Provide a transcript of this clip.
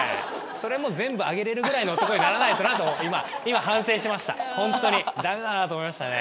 それも全部あげれるぐらいの男にならないとなと今今反省しましたホントにダメだなと思いましたね。